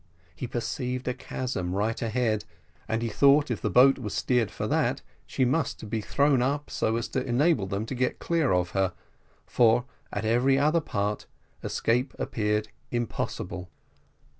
He perceived a chasm right ahead, and he thought if the boat was steered for that, she must be thrown up so as to enable them to get clear of her, for at every other part escape appeared impossible.